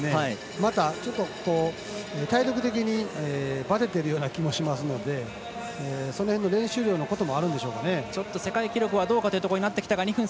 また、ちょっと体力的にばてているような気もしますのでその辺の練習量もありますかね。